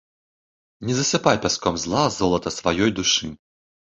Не засыпай пяском зла золата сваёй душы.